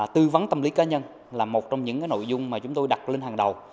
tư vấn tâm lý cá nhân là một trong những nội dung mà chúng tôi đặt lên hàng đầu